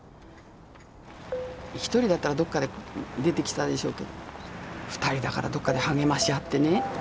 １人だったらどっかで出てきたでしょうけど２人だからどっかで励まし合ってね。